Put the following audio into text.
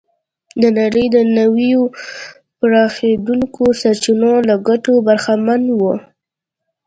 د نړۍ د نویو پراخېدونکو سرچینو له ګټو برخمن و.